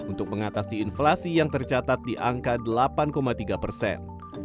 untuk mengatasi inflasi yang tercatat di angka delapan tiga persen